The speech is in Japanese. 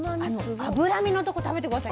脂身のところ食べて下さい。